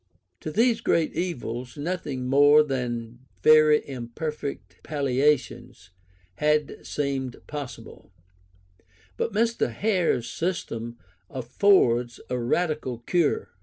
To these great evils nothing more than very imperfect palliations had seemed possible; but Mr. Hare's system affords a radical cure.